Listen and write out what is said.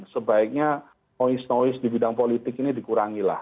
sebaiknya noise noise di bidang politik ini dikurangilah